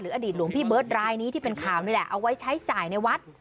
อดีตหลวงพี่เบิร์ตรายนี้ที่เป็นข่าวนี่แหละเอาไว้ใช้จ่ายในวัด